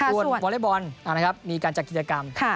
ส่วนวอเล็กบอลมีการจัดกิจกรรม